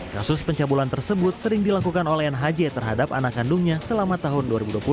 kasus pencabulan tersebut sering dilakukan oleh nhj terhadap anak kandungnya selama tahun dua ribu dua puluh